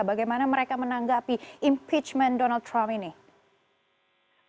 bagaimana mereka menanggapi impeachment donald trump ini